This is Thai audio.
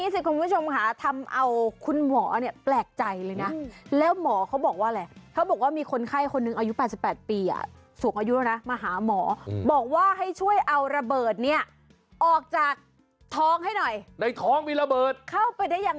สำหรับเด็กน้อยคนหนึ่งที่น้อยใจคนในบ้าน